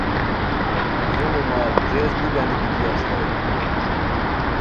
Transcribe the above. ژونو مال(جیز) دی گانی گیتی استائے